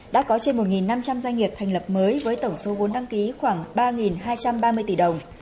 đã có trên một năm trăm linh doanh nghiệp thành lập mới với tổng số vốn đăng ký khoảng ba hai trăm ba mươi tỷ đồng